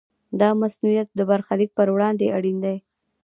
دا مصونیت د برخلیک پر وړاندې اړین دی.